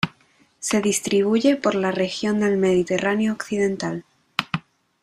Se distribuye por la región del Mediterráneo occidental.